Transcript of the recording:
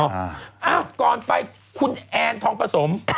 เอ้าก่อนไปคุณแอนทองผสม